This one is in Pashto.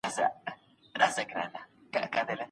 دا ځای د اتڼو نه و .